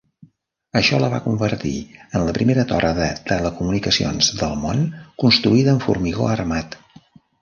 Això la va convertir en la primera torre de telecomunicacions del món construïda amb formigó armat.